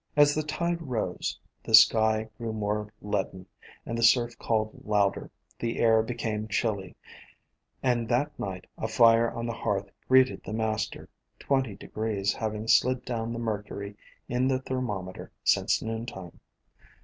As the tide rose, the sky grew more leaden, and the surf called louder, the air became chilly, and that night a fire on the hearth greeted the master, twenty degrees having slid down the mercury in the thermometer since noontime.